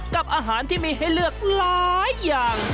กับอาหารที่มีให้เลือกหลายอย่าง